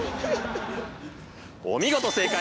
お見事正解！